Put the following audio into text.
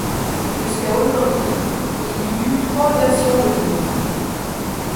Jusqu’à aujourd’hui, il y eut trois versions de l’hymne.